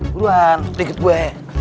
duluan tinggal gue